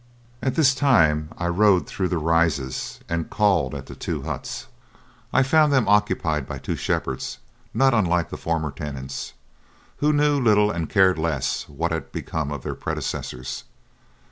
At this time I rode through the Rises and called at the two huts; I found them occupied by two shepherds not unlike the former tenants, who knew little and cared less what had become of their predecessors.